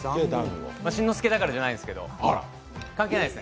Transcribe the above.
真之介だからじゃないですけど、関係ないです。